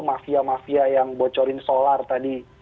mafia mafia yang bocorin solar tadi